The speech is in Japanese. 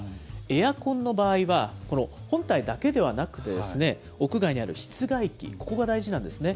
エアコンの場合は、この本体だけではなくて、屋外にある室外機、ここが大事なんですね。